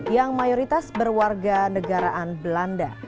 yang mayoritas berwarga negaraan belanda